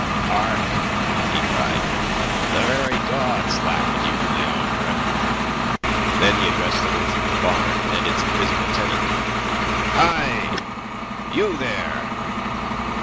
"Hark!" he cried, "the very gods laugh at you, Leandre." Then he addressed the roof of the barn and its invisible tenant. "Hi! You there!"